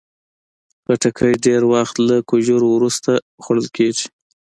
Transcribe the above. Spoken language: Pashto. خټکی ډېر وخت له کجورو وروسته خوړل کېږي.